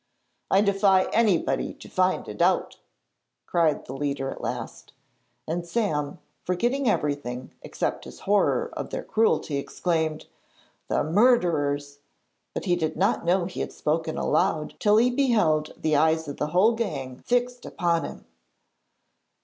'I defy anybody to find it out!' cried the leader at last, and Sam, forgetting everything, except his horror of their cruelty, exclaimed: 'The murderers!' but he did not know he had spoken aloud till he beheld the eyes of the whole gang fixed upon him.